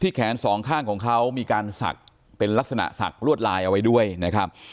แขนสองข้างของเขามีการศักดิ์เป็นลักษณะศักดิ์ลวดลายเอาไว้ด้วยนะครับ